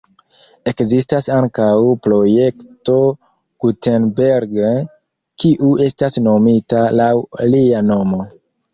Ekzistas ankaŭ Projekto Gutenberg, kiu estas nomita laŭ lia nomo.